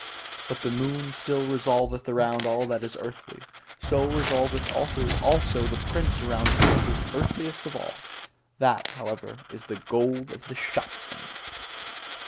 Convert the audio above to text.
But the moon still revolveth around all that is earthly: so revolveth also the prince around what is earthliest of all that, however, is the gold of the shopman.